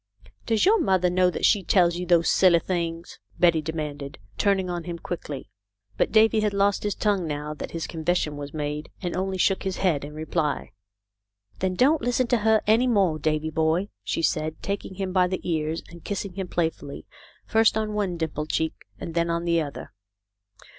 " Does your mother know that she tells you those BACK TO THE CUCKOO'S NEST. 43 silly things ?" demanded Betty, turning on him quickly. But Davy had lost his tongue, now that his confession was made, and only shook his head in reply. "Then don't listen to her any more, Davy boy," she said, taking him by the ears and kissing him playfully, first on one dimpled cheek and then on the other.